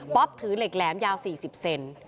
ป๊อบถือเหล็กแหลมยาว๔๐เซนติเซน